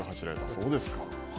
そうですか。